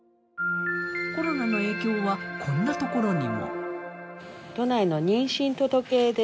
コロナの影響はこんなところにも。